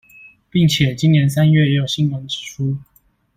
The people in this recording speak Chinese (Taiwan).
並且今年三月也有新聞指出